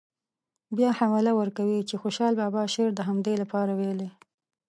بیا حواله ورکوي چې خوشحال بابا شعر د همدې لپاره ویلی.